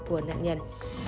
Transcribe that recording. của nạn nhân